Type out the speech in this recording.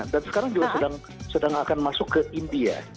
dan sekarang juga sedang akan masuk ke india